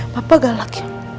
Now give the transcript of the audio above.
papa galak ya